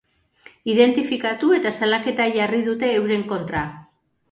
Identifikatu eta salaketa jarri dute euren kontra.